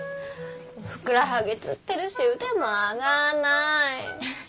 ふくらはぎつってるし腕も上がんない！